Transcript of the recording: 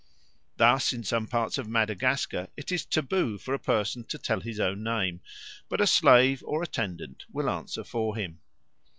Thus in some parts of Madagascar it is taboo for a person to tell his own name, but a slave or attendant will answer for him.